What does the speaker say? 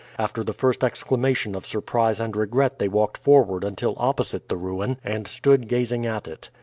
After the first exclamation of surprise and regret they walked forward until opposite the ruin, and stood gazing at it.